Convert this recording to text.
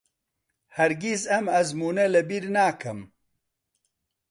هەرگیز ئەم ئەزموونە لەبیر ناکەم.